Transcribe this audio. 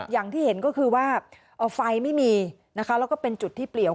อย่างที่เห็นก็คือว่าไฟไม่มีนะคะแล้วก็เป็นจุดที่เปลี่ยว